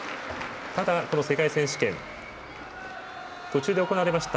ただ、世界選手権途中で行われました